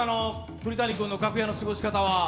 栗谷君の楽屋での過ごし方は。